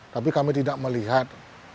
tapi kami tidak melihat